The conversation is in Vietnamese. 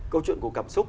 câu chuyện của cảm xúc